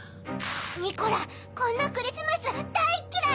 ニコラこんなクリスマスだいっきらい！